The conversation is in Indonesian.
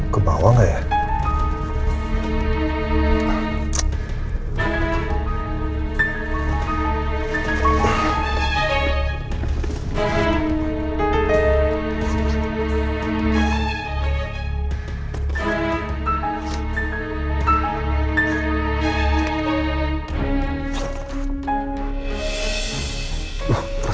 ke bawah gak ya